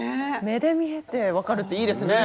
目で見えて分かるっていいですね。